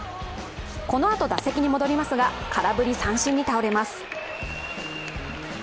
このあと打席に戻りますが空振り三振に倒れます。